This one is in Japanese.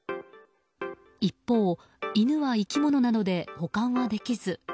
一方、犬は生き物なので保管はできず。